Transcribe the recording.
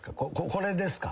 これですか？